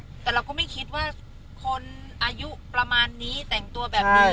แต่เราก็ไม่คิดว่าคนอายุประมาณนี้แต่งตัวแบบนี้